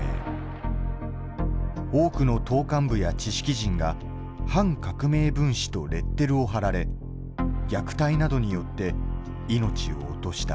多くの党幹部や知識人が反革命分子とレッテルを貼られ虐待などによって命を落とした。